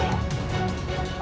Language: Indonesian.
aku bukan pembunuh